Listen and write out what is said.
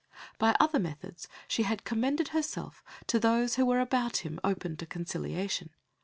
By other methods she had commended herself to those who were about him open to conciliation.